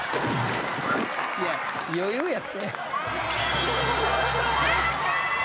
いや余裕やって。